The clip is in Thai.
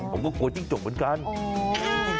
ผมก็กลัวจิ้งจกเหมือนกัน